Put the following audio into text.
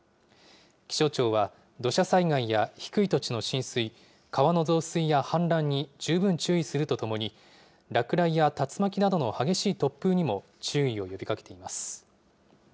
気象庁は土砂災害や低い土地の浸水、川の増水や氾濫に十分注意するとともに、落雷や竜巻などの激しい突風にも注意を呼びかけています。